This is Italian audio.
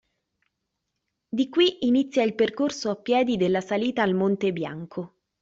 Di qui inizia il percorso a piedi della salita al Monte Bianco.